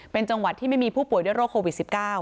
เป็นจังหวัดที่ไม่มีผู้ป่วยด้วยโรคโควิด๑๙